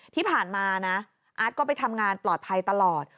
ที่ผ่านมานะอาร์ตก็ไปทำงานปลอดภัยตลอด